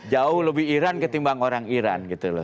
jauh lebih iran ketimbang orang iran gitu loh